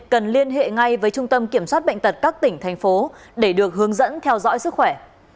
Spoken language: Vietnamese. cần liên hệ ngay với trung tâm kiểm soát bệnh tật các tỉnh thành phố để được hướng dẫn theo dõi sức khỏe